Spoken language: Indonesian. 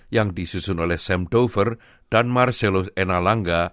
yang disusun oleh sam dover dan marcelo enalangga